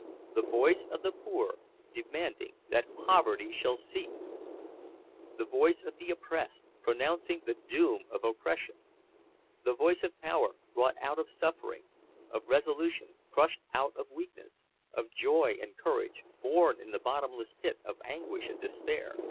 The voice of the poor, demanding that poverty shall cease! The voice of the oppressed, pronouncing the doom of oppression! The voice of power, wrought out of suffering—of resolution, crushed out of weakness—of joy and courage, born in the bottomless pit of anguish and despair!